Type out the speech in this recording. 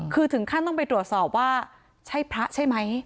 คือถึงขั้นต้องไปตรวจสอบว่าใช่พระใช่ไหม